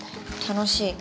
楽しい。